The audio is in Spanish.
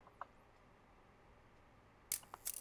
Entrar en Ajustes y seleccionar la configuración de Wi-Fi.